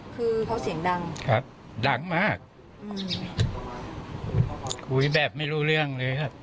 คือเขาเสียงดังครับดังมากอืมคุยแบบไม่รู้เรื่องเลยครับ